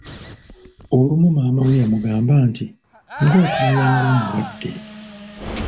Olumu maama we yamugamba nti "ng’otunula ng’omulwadde?".